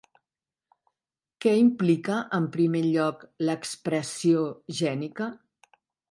Què implica en primer lloc l'expressió gènica?